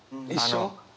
一緒？